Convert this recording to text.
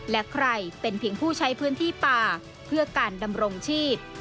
และใครเป็นเพียงผู้ใช้พื้นที่ป่าเพื่อการดำรงชีพ